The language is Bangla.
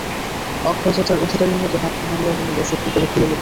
অক্ষয় যাত্রার অধিকারীর মতো হাত নাড়িয়া বলিল, সখী, তবে খুলে বলো!